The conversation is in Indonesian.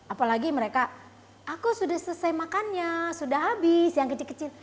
apalagi mereka aku sudah selesai makannya sudah habis yang kecil kecil